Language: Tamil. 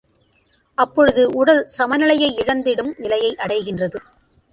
அப்பொழுது உடல் சமநிலையை இழந்திடும் நிலையை அடைகின்றது.